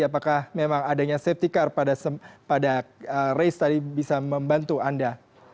apakah memang adanya safety car pada race tadi bisa membantu anda